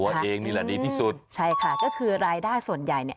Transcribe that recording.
เองนี่แหละดีที่สุดใช่ค่ะก็คือรายได้ส่วนใหญ่เนี่ย